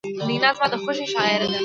لینا زما د خوښې شاعره ده